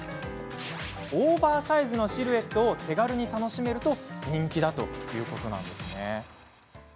オーバーサイズのシルエットを手軽に楽しめると人気なんです。